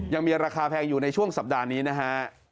ยังมีราคาแพงอยู่ในช่วงสัปดาห์นี้นะฮะ